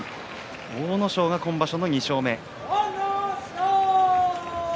阿武咲が、今場所の２勝目。